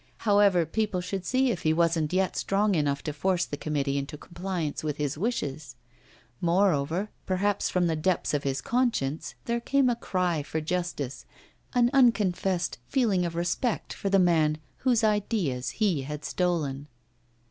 However, people should see if he wasn't yet strong enough to force the committee into compliance with his wishes. Moreover, perhaps from the depths of his conscience there came a cry for justice, an unconfessed feeling of respect for the man whose ideas he had stolen.